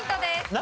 何？